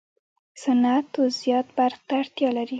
صنعت و زیات برق ته اړتیا لري.